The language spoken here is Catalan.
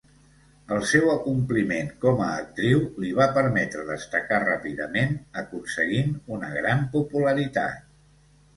El seu acompliment com a actriu, li va permetre destacar ràpidament aconseguint una gran popularitat.